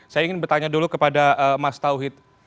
saya ingin bertanya dulu kepada mas tauhid